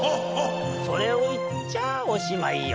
それをいっちゃおしまいよ。